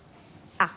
あっ。